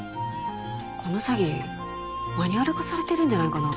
この詐欺マニュアル化されてるんじゃないかな？